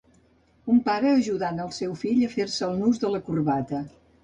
Un pare ajudant el seu fill a fer-se el nus de la corbata.